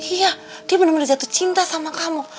iya dia bener bener jatuh cinta sama kamu